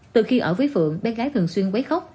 từ khi ở với phượng bé gái thường xuyên quấy khóc